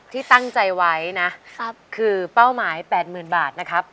ที่ตั้งใจไว้นะคือเป้าหมาย๘๐๐๐บาทนะครับ